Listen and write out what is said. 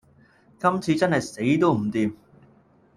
今次真係死都唔掂